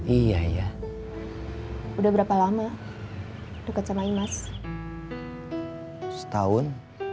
iya ya udah berapa lama dekat sama imas tahun